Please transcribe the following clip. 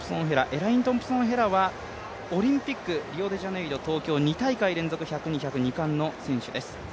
エライン・トンプソンヘラはオリンピック、リオデジャネイロ、東京、２大会連続、１００、２００、２冠の選手です。